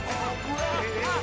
えっ！